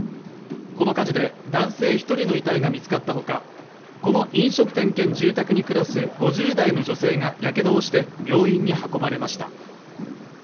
この火事で男性１人の遺体が見つかったほかこの飲食店兼住宅に暮らす５０代の女性がやけどをして病院に運ばれました。